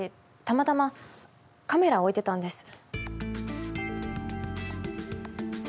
たまたまカメラを置いてたんです。